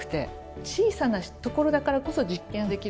小さなところだからこそ実験ができる。